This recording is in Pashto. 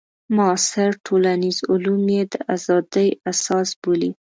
معاصر ټولنیز علوم یې د ازادۍ اساس بولي.